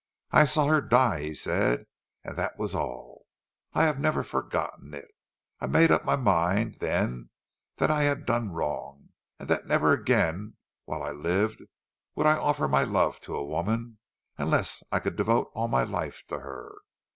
"I saw her die," he said. "And that was all. I have never forgotten it. I made up my mind then that I had done wrong; and that never again while I lived would I offer my love to a woman, unless I could devote all my life to her.